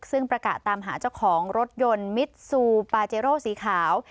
ซึ่งประกาศตามหาเจ้าของรถยนต์มิดซูปาเจโร่สีขาว